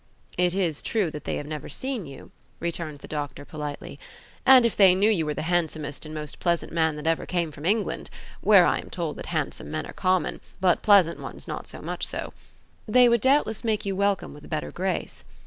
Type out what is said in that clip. "It is true they have never seen you," returned the doctor politely; "and if they knew you were the handsomest and the most pleasant man that ever came from England (where I am told that handsome men are common, but pleasant ones not so much so), they would doubtless make you welcome with a better grace.